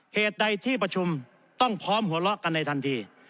เหตุใดที่ประชุมต้องพร้อมหัวเราะกันในทันที